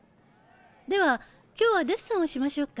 では今日はデッサンをしましょうか。